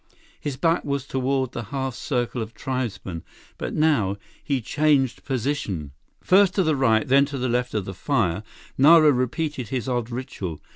His back was toward the half circle of tribesmen, but now, he changed position. First to the right, then to the left of the fire, Nara repeated his odd ritual.